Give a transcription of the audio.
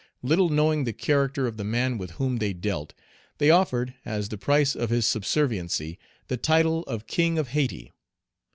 Little knowing the character of the man with whom they dealt, they offered, as the Page 88 price of his subserviency, the title of King of Hayti.